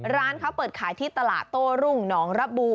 ร้านเขาเปิดขายที่ตลาดโต้รุ่งหนองระบู